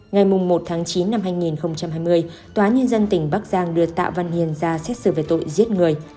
ngày một tháng chín năm hai nghìn hai mươi tòa nhân dân tỉnh bắc giang đưa tạ văn hiền ra xét xử về tội giết người